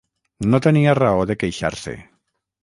No tenia raó de queixar-se